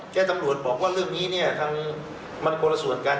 เจ้าธรรมรวมบอกว่าเรื่องนี้เนี่ยทั้งคนละส่วนกัน